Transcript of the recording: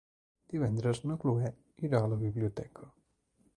Divendres na Cloè irà a la biblioteca.